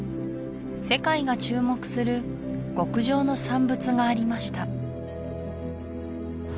世界が注目する極上の産物がありました